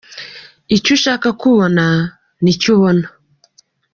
Icyo ushaka kubona ni cyo ubona.